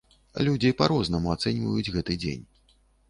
Людзі па-рознаму ацэньваюць гэты дзень.